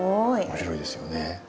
面白いですよね。